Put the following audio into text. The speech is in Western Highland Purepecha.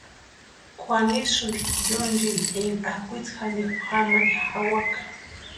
Kwʼanisïnti yonchini énka akwitsi janikwa jamani jawaka.